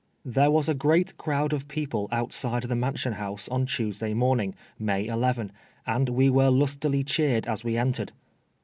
There was a great crowd of people outside the Man sion House on Tuesday morning, May 11, and we were lustily cheered as we entered.